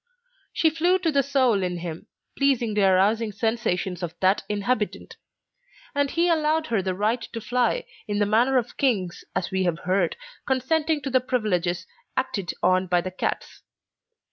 She flew to the soul in him, pleasingly arousing sensations of that inhabitant; and he allowed her the right to fly, in the manner of kings, as we have heard, consenting to the privileges acted on by cats.